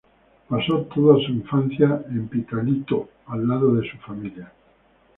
Pasó toda su infancia en Pitalito al lado de su familia.